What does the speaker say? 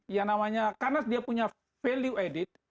ya namanya karena dia punya value added